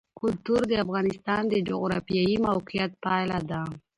کلتور د افغانستان د جغرافیایي موقیعت پایله ده.